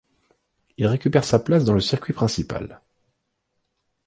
Il récupère sa place dans le circuit principal.